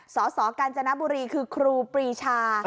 สสกัญจนบุรีคือครูปรีชา